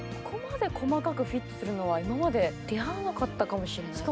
ここまで細かくフィットするのは、今まで出会わなかったかもしれない。